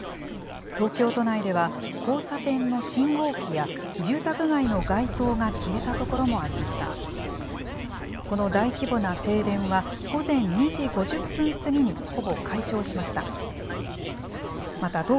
東京都内では交差点の信号機や、住宅街の街灯が消えた所もありました。この大規模な停電は、午前２時５０分過ぎにほぼ解消しました。